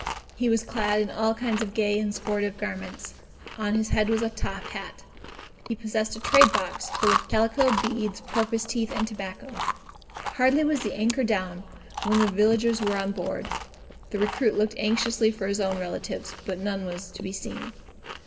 He was clad in all kinds of gay and sportive garments. On his head was a top hat. He possessed a trade box full of calico, beads, porpoise teeth, and tobacco. Hardly was the anchor down, when the villagers were on board. The recruit looked anxiously for his own relatives, but none was to be seen.